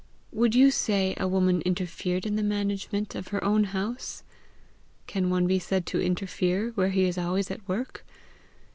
"Would you say a woman interfered in the management of her own house? Can one be said to interfere where he is always at work?